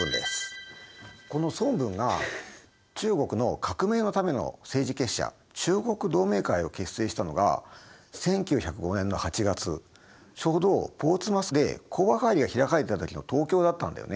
この孫文が中国の革命のための政治結社中国同盟会を結成したのが１９０５年の８月ちょうどポーツマスで講和会議が開かれていた時の東京だったんだよね。